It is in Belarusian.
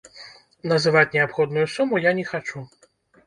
Называць неабходную суму я не хачу.